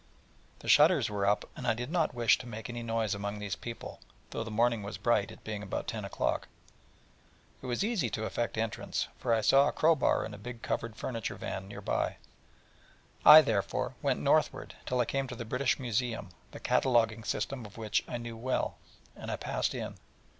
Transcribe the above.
The shutters were up, and I did not wish to make any noise among these people, though the morning was bright, it being about ten o'clock, and it was easy to effect entrance, for I saw a crow bar in a big covered furniture van near. I, therefore, went northward, till I came to the British Museum, the cataloguing system of which I knew well, and passed in.